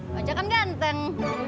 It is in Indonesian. wajar kan ganteng